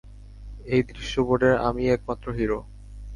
এই দৃশ্যপটের আমিই একমাত্র হিরো।